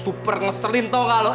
super ngesterlin tau gak lo